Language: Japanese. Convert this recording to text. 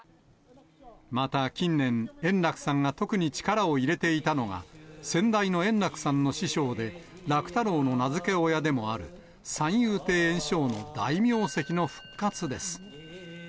股近年、円楽さんが特に力を入れていたのが、先代の圓楽さんの師匠で、楽太郎の名付け親でもある三遊亭圓生の大名跡の復活です。